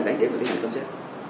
đã giữ được cái hình thống xếp